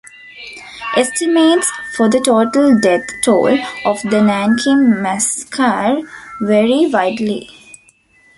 Estimates for the total death toll of the Nanking Massacre vary widely.